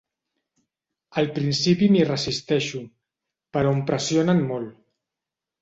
Al principi m'hi resisteixo, però em pressionen molt.